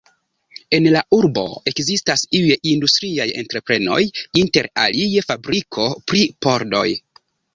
En la urbo ekzistas iuj industriaj entreprenoj, inter alie fabriko pri pordoj.